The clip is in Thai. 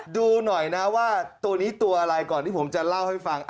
ดูหน่อยนะว่าตัวนี้ตัวอะไรก่อนที่ผมจะเล่าให้ฟัง